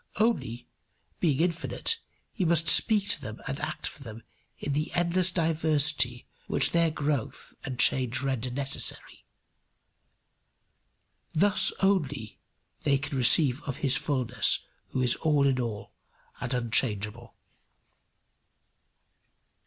Only, being infinite, he must speak to them and act for them in the endless diversity which their growth and change render necessary. Thus only they can receive of his fulness who is all in all and unchangeable.